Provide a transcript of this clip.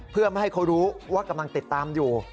เพื่อไม่ให้เขารู้ว่ากำลังติดตามอยู่